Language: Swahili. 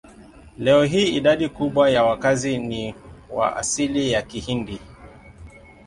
Leo hii idadi kubwa ya wakazi ni wa asili ya Kihindi.